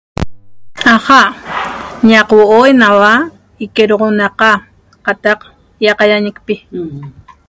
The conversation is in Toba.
'Aja' ñaq huo'oi naua iquedoxonaqa qataq ýiqaýañicpi